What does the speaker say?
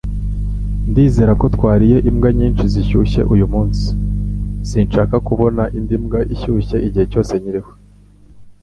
Turizera ko twariye imbwa nyinshi zishyushye uyumunsi. Sinshaka kubona indi mbwa ishyushye igihe cyose nkiriho.